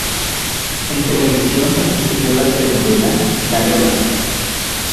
En televisión participó en la telenovela "Lalola".